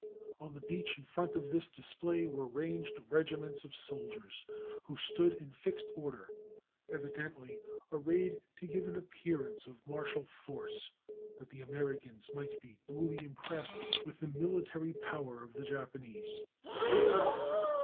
On the beach in front of this display were ranged regiments of soldiers, who stood in fixed order, evidently arrayed to give an appearance of martial force, that the Americans might be duly impressed with the military power of the Japanese.